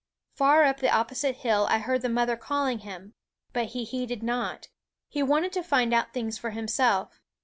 Far up the opposite hill I heard the mother calling him. But he heeded not; he wanted to find out things for himself.